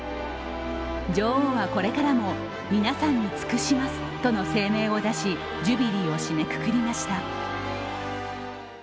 女王は、これからも、皆さんに尽くしますとの声明を出しジュビリーを締めくくりました。